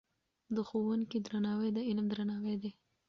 د ښوونکي درناوی د علم درناوی دی.